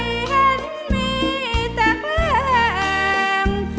เห็นมีแต่แผง